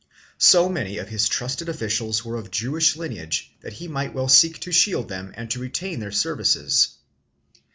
So many of his trusted officials were of Jewish lineage that he might well seek to shield them and to retain their services.